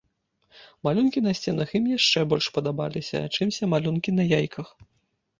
Малюнкі на сценах ім яшчэ больш падабаліся, чымся малюнкі на яйках.